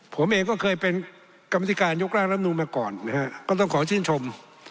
ผมเองก็เคยเป็นกรรมธิการยกร่างรับนูนมาก่อนนะฮะก็ต้องขอชื่นชม